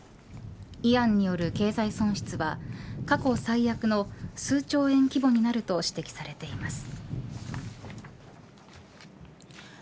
イアンによる経済損失は過去最悪の数兆円規模になると指摘されています。